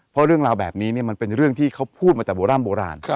เพราะเรื่องราวแบบนี้เนี่ยมันเป็นเรื่องที่เขาพูดมาจากโบราณ